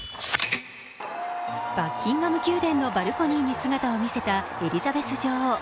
バッキンガム宮殿のバルコニーに姿を見せたエリザベス女王。